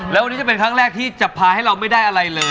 แล้ววันนี้จะเป็นครั้งแรกที่จะพาให้เราไม่ได้อะไรเลย